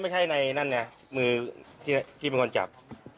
ไม่ใช่ในนั่นไงมือที่เป็นคนจับ